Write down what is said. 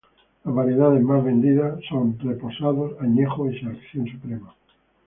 Las variedades más vendidas son Reposado, Añejo y Selección Suprema.